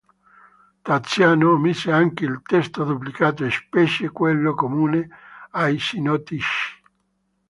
Taziano omise anche il testo duplicato, specie quello comune ai sinottici.